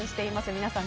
皆さん